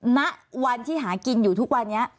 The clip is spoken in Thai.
ณวันที่หากินอยู่ทุกวันนี้